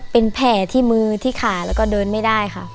เป็นแผลที่มือที่ขาแล้วก็เดินไม่ได้ค่ะ